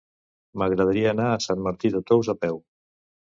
M'agradaria anar a Sant Martí de Tous a peu.